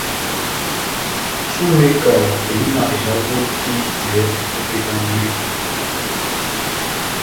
Sumeka andi na ehavo ehitɛ o epedi ya mbwiya.